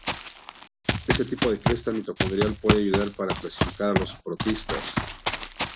El tipo de cresta mitocondrial puede ayudar para clasificar a los protistas.